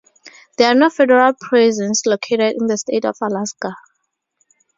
There are no federal prisons located in the state of Alaska.